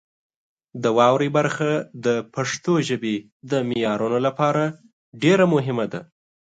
د واورئ برخه د پښتو ژبې د معیارونو لپاره ډېره مهمه ده.